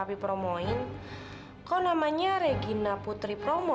alena promo atau harisnya putri promo